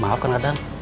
maaf kang dadang